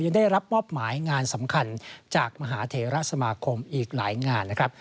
ได้รับมอบหมายงานสำคัญจากมหาเทราสมาคมอีกหลายงานนะครับ